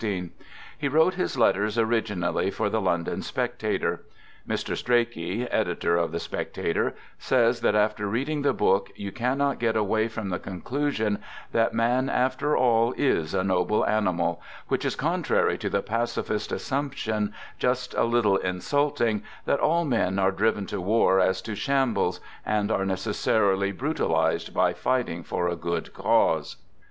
He wrote his let ters originally for the London Spectator. Mr. Strachey, editor of the Spectator, says that after reading the book you cannot get away from the con clusion that man, after all, is a noble animal ; which is contrary to the pacifist assumption, just a little insulting, that all men are driven to war as to shambles, and are necessarily brutalized by fighting for a good cause.